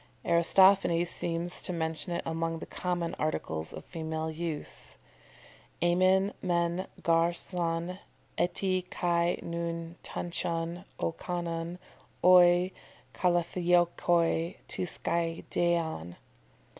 "] Aristophanes seems to mention it among the common articles of female use "aemin men gar son eti kai nun tantion, o kanon, oi kalathiokoi, to skiadeion."